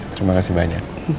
terima kasih banyak